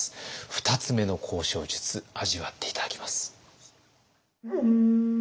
２つ目の交渉術味わって頂きます。